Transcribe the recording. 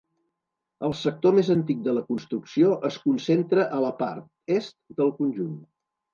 El sector més antic de la construcció es concentra a la part est del conjunt.